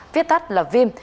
viết tắt là vim